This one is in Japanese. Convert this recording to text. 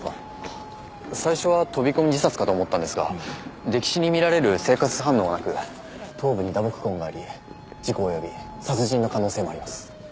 最初は飛び込み自殺かと思ったんですが溺死に見られる生活反応がなく頭部に打撲痕があり事故及び殺人の可能性もあります。